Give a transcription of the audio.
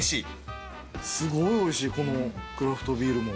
すごいおいしいこのクラフトビールも。